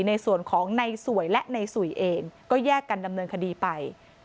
ในส่วนของในสวยและในสุยเองก็แยกกันดำเนินคดีไป